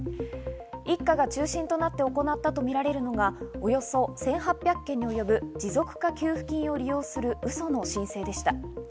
一家が中心となって行ったとみられるのがおよそ１８００件に及ぶ持続化給付金を利用するウソの申請でした。